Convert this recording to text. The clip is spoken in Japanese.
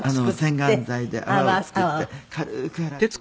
洗顔剤で泡を作って軽く洗って頂いて。